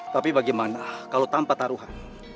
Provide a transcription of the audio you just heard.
tapi bagaimana kalau tanpa taruhan